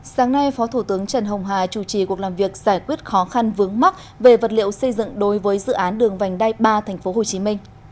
sáng nay phó thủ tướng trần hồng hà chủ trì cuộc làm việc giải quyết khó khăn vướng mắt về vật liệu xây dựng đối với dự án đường vành đai ba tp hcm